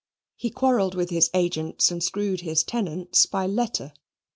He quarrelled with his agents and screwed his tenants by letter.